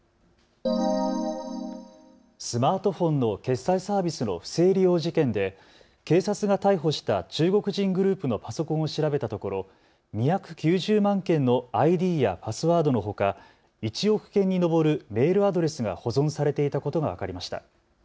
スマートフォンの決済サービスの不正利用事件で警察が逮捕した中国人グループのパソコンを調べたところ、２９０万件のＩＤやパスワードのほか１億件に上るメールアドレスが保存されていたことが分かりました。